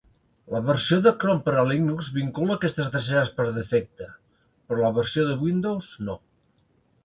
La versió de Chrome per a Linux vincula aquestes dreceres per defecte, però la versió de Windows no.